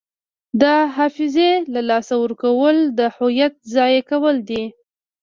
د حافظې له لاسه ورکول د هویت ضایع کول دي.